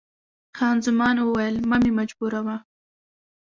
خان زمان وویل، مه مې مجبوروه.